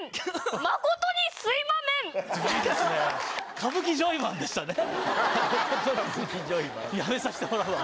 誠にすいまめん。